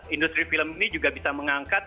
industri film ini juga bisa mengangkat